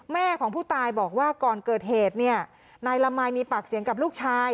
แม่ของผู้ตายบอกว่าก่อนเกิดเหตุเนี่ยนายละมายมีปากเสียงกับลูกชาย